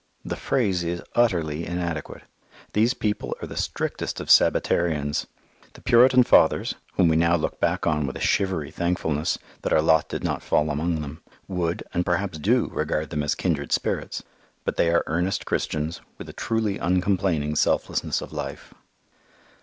The phrase is utterly inadequate. These people are the strictest of Sabbatarians. The Puritan fathers, whom we now look back upon with a shivery thankfulness that our lot did not fall among them, would, and perhaps do, regard them as kindred spirits. But they are earnest Christians, with a truly uncomplaining selflessness of life.